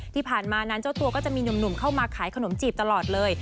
ที่ผ่านมานั้นเจ้าตัวก็จะมีหนุ่มเข้ามาขายขนมจีบตลอดเลย